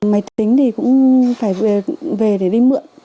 máy tính thì cũng phải về để đi mượn